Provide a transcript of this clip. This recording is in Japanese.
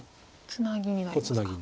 ツナギになりますか。